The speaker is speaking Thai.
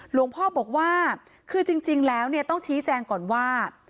หลวงพ่อบอกว่าคือจริงแล้วเนี่ยต้องชี้แจงก่อนว่า